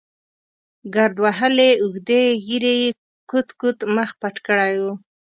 ګرد وهلې اوږدې ږېرې یې کوت کوت مخ پټ کړی و.